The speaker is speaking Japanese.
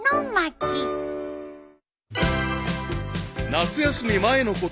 ［夏休み前のこと］